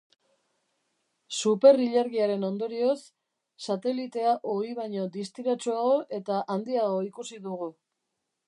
Superilargiaren ondorioz, satelitea ohi baino distiratsuago eta handiago ikusi dugu.